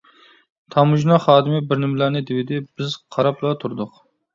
تاموژنا خادىمى بىرنېمىلەرنى دېۋىدى، بىز قاراپلا تۇردۇق.